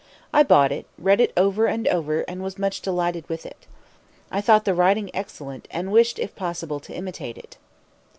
"I bought it, read it over and over, and was much delighted with it. "I thought the writing excellent, and wished if possible to imitate it.